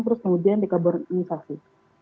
terus kemudian dikaburnisasi